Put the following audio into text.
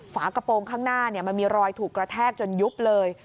ฝากระโปรงข้างหน้ามันมีรอยถูกกระแทกจนยุบเลย